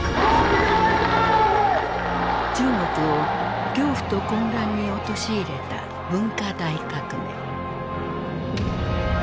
中国を恐怖と混乱に陥れた文化大革命。